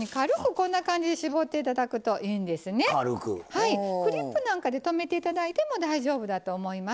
はいクリップなんかで留めて頂いても大丈夫だと思います。